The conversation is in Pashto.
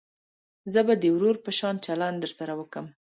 زه به د ورور په شان چلند درسره وکم.